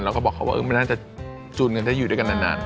แล้วก็บอกเขาว่าไม่น่าจะจูนกันได้อยู่ด้วยกันนาน